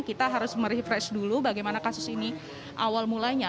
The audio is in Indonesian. kita harus merefresh dulu bagaimana kasus ini awal mulanya